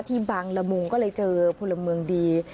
บางละมุงก็เลยเจอพลเมืองดี